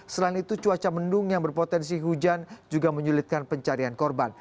selain itu cuaca mendung yang berpotensi hujan juga menyulitkan pencarian korban